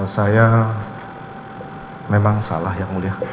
saya memang salah yang mulia